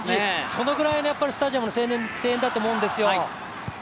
そのぐらいのスタジアムの声援だと思うんですよ。